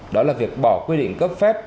đó là việc bỏ quy định cấp phép